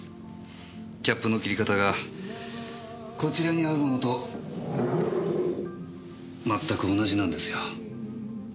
キャップの切り方がこちらにあるものと全く同じなんですよ。